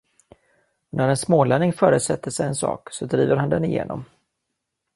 Och när en smålänning föresätter sig en sak, så driver han den igenom.